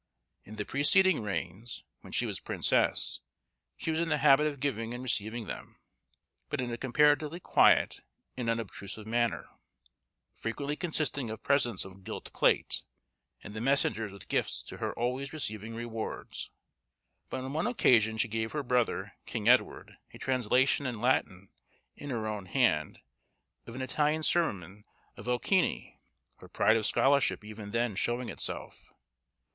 In the preceding reigns, when she was princess, she was in the habit of giving and receiving them, but in a comparatively quiet and unobtrusive manner, frequently consisting of presents of gilt plate, and the messengers with gifts to her always receiving rewards; but on one occasion she gave her brother, King Edward, a translation in Latin, in her own hand, of an Italian sermon of Occhini; her pride of scholarship even then showing itself.